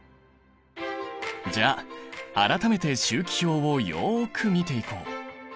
じゃあ改めて周期表をよく見ていこう。